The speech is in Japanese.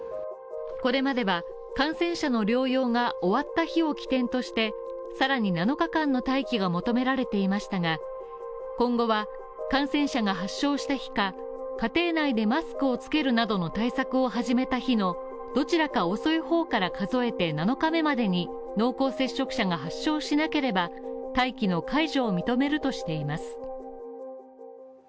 これまでは感染者の療養が終わった日を起点として、さらに７日間の待機が求められていましたが、今後は感染者が発症した日か家庭内でマスクをつけるなどの対策を始めた日のどちらか遅い方から数えて７日目までに濃厚接触者が発症しなければ待機の解除を認めるとしています。